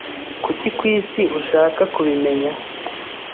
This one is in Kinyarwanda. Kuki kwisi ushaka kubimenya?